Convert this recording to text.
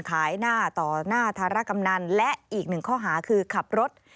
ขายหน้าต่อหน้าธารกำนันและอีกหนึ่งข้อหาคือขับรถ